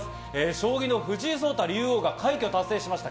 将棋の藤井聡太竜王が快挙を達成しました。